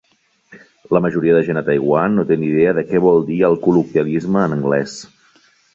La majoria de gent a Taiwan no té ni idea de què vol dir el col·loquialisme en anglès.